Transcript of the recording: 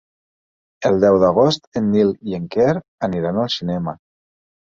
El deu d'agost en Nil i en Quer aniran al cinema.